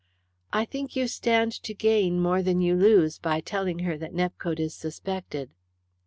"I think you stand to gain more than you lose by telling her that Nepcote is suspected."